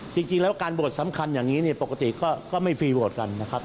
จริงแล้วการโหวตสำคัญอย่างนี้เนี่ยปกติก็ไม่ฟรีโหวตกันนะครับ